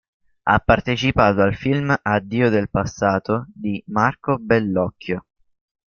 Ha partecipato al film "...addio del passato..." di Marco Bellocchio.